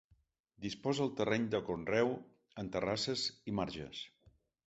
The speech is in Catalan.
Disposa el terreny de conreu en terrasses i marges.